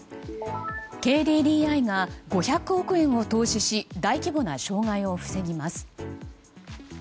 ＫＤＤＩが５００億円を投資し大規模な障害を防ぎます。